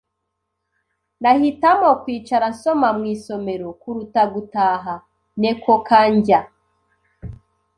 Nahitamo kwicara nsoma mu isomero kuruta gutaha. (NekoKanjya)